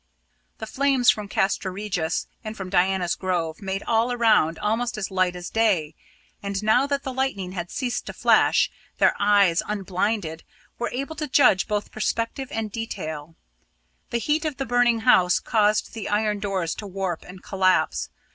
The flames from Castra Regis and from Diana's Grove made all around almost as light as day, and now that the lightning had ceased to flash, their eyes, unblinded, were able to judge both perspective and detail. The heat of the burning house caused the iron doors to warp and collapse.